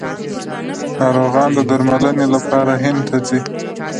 ناروغان د درملنې لپاره هند ته ځي.